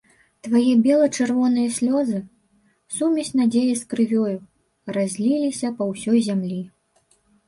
Твае бела-чырвоныя слёзы — сумясь надзеі з крывёю — разліліся па ўсёй зямлі!